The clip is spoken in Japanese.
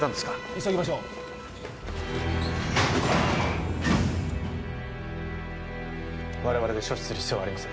急ぎましょう我々で処置する必要はありません